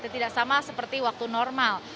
tidak sama seperti waktu normal